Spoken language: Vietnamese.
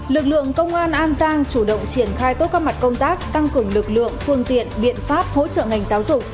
lực lượng công an an giang chủ động triển khai tốt các mặt công tác tăng cường lực lượng phương tiện biện pháp hỗ trợ ngành giáo dục